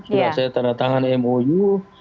sudah saya tanda tangan mou